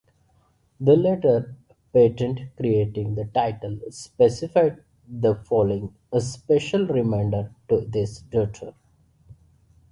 The letters patent creating the title specified the following special remainder to his daughters.